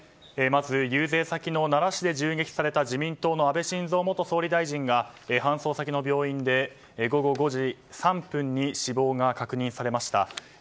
まず遊説先の奈良市で銃撃された自民党の安倍晋三元総理大臣が搬送先の病院で午後５時３分に死亡が確認されました。